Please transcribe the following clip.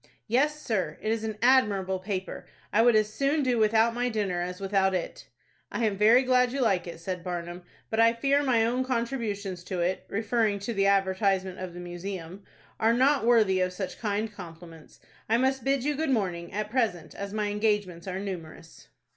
"Yes, sir, it is an admirable paper. I would as soon do without my dinner as without it." "I am very glad you like it," said Barnum; "but I fear my own contributions to it (referring to the advertisement of the Museum) are not worthy of such kind compliments. I must bid you good morning, at present, as my engagements are numerous."